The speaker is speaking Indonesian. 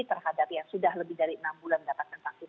terhadap yang sudah lebih dari enam bulan mendapatkan vaksin